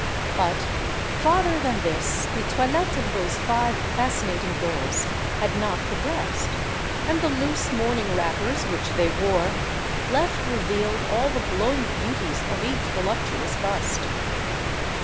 But farther than this the toilette of those five fascinating girls had not progressed; and the loose morning wrappers which they wore, left revealed all the glowing beauties of each voluptuous bust.